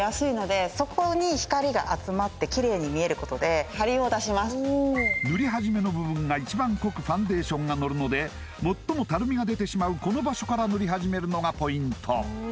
最近多くのブランドが展開しているだけそして塗り始めの部分が一番濃くファンデーションがのるので最もたるみが出てしまうこの場所から塗り始めるのがポイント